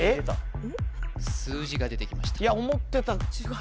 数字が出てきました